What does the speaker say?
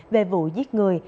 về vụ giết người